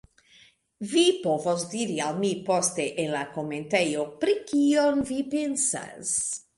Vi povos diri al mi poste, en la komentejo, pri kion vi pensas.